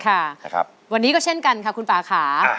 ค่ะวันนี้ก็เช่นกันค่ะคุณป่าค่ะ